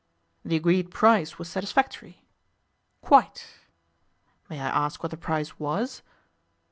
'The agreed price was satisfactory?' 'Quite.' 'May I ask what the price was?